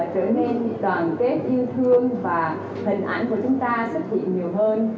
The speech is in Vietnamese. trở nên đoàn kết yêu thương và hình ảnh của chúng ta xuất hiện nhiều hơn